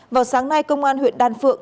vào sáng nay công an huyện đan phượng